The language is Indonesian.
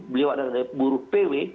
beliau adalah buruh pw